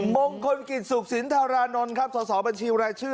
มงคลกิจสุขศิลป์ธารานนทร์สบัญชีแหวะชื่อ